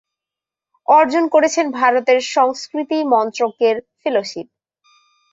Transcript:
অর্জন করেছেন ভারতের সংস্কৃতি মন্ত্রকের ফেলোশিপ।